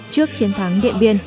trước chiến thắng điện biên